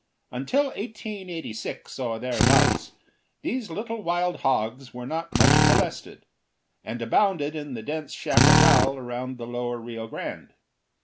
Until 1886, or thereabouts, these little wild hogs were not much molested, and abounded in the dense chaparral around the lower Rio Grande.